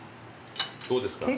どうですか？